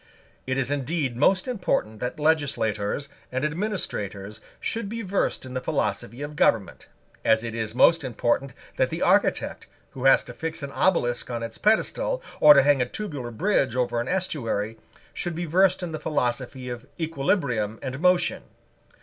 It is indeed most important that legislators and administrators should be versed in the philosophy of government, as it is most important that the architect, who has to fix an obelisk on its pedestal, or to hang a tubular bridge over an estuary, should be versed in the philosophy of equilibrium and motion.